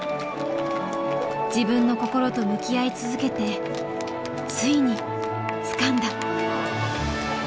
自分の心と向き合い続けてついにつかんだ。